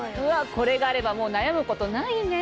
これがあればもう悩むことないね。